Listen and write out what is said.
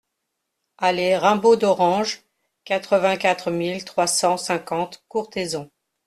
Allée Raimbaud d'Orange, quatre-vingt-quatre mille trois cent cinquante Courthézon